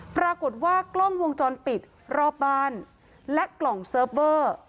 ปรากฏว่ากล้องวงจรปิดรอบบ้านและกล่องเซิร์ฟเวอร์